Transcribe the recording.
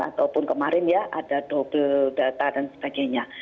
ataupun kemarin ya ada double data dan sebagainya